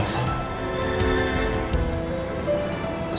lo harus bebas